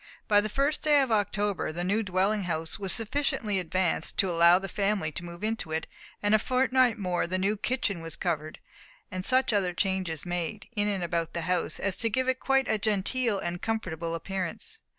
By the first day of October, the new dwelling house was sufficiently advanced to allow the family to move into it; and in a fortnight more, the new kitchen was covered, and such other changes made, in and about the house, as to give it quite a genteel and comfortable appearance.